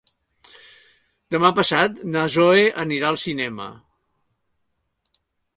Demà passat na Zoè anirà al cinema.